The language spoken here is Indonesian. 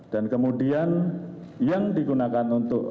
dan kemudian yang digunakan untuk